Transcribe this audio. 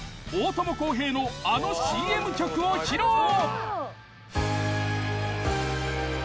大友康平のあのＣＭ曲を披露！